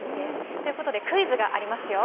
ということで、クイズがありますよ。